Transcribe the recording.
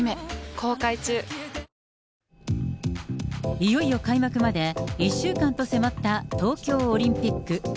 いよいよ開幕まで１週間と迫った東京オリンピック。